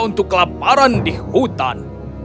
untuk kelaparan di hutan